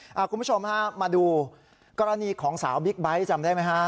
คุณผู้ชมฮะมาดูกรณีของสาวบิ๊กไบท์จำได้ไหมฮะ